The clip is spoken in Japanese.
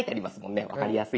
分かりやすいです。